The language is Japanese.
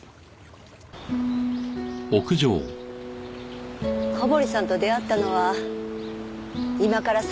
小堀さんと出会ったのは今から３０年以上前です。